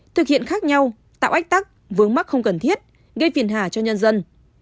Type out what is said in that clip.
thực hiện khác nhau tạo ách tắc vướng mắc không cần thiết gây phiền hà cho nhân dân